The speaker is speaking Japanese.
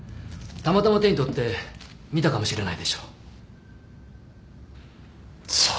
たまたま手に取って見ただけかもしれない。